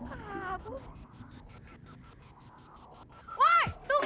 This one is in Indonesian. salah orang mbak